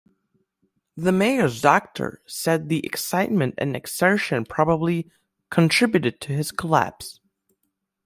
The mayor's doctor said the excitement and exertion probably contributed to his collapse.